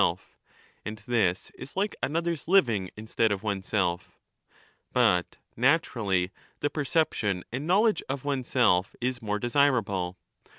12 1244" of oneself ; and this is like another's living instead of oneself^ But '^ naturally the perception and knowledge of oneself is more desirable.